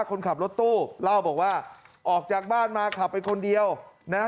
คนขับรถตู้เล่าบอกว่าออกจากบ้านมาขับไปคนเดียวนะฮะ